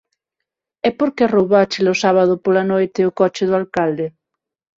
E por que roubaches o sábado pola noite o coche do alcalde?